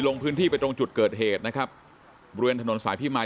ลงพื้นที่ไปตรงจุดเกิดเหตุนะครับบริเวณถนนสายพี่มาย